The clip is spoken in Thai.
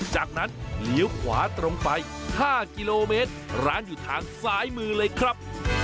จากนั้นเลี้ยวขวาตรงไป๕กิโลเมตรร้านอยู่ทางซ้ายมือเลยครับ